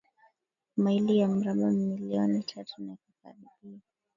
maili ya mraba milioni tatu na inakaribia